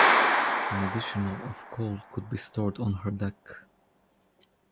An additional of coal could be stored on her deck.